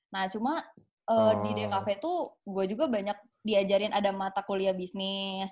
nah cuma di dkf itu gue juga banyak diajarin ada mata kuliah bisnis